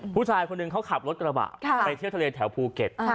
ผู้ชายคนหนึ่งเขาขับรถกระบะไปเที่ยวทะเลแถวภูเก็ต